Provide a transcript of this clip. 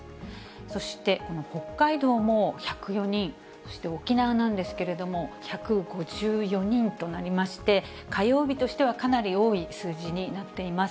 そして北海道も１０４人、そして沖縄なんですけれども、１５４人となりまして、火曜日としてはかなり多い数字になっています。